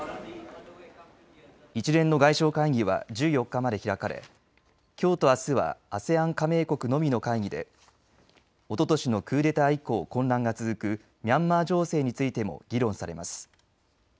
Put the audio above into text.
一連の外相会議は１４日まで開かれきょうとあすはＡＳＥＡＮ加盟国のみの会議でおととしのクーデター以降、混乱が続くミャンマー情勢についても議論されます。